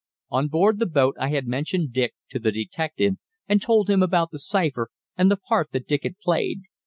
On board the boat I had mentioned Dick to the detective, and told him about the cypher, and the part that Dick had played.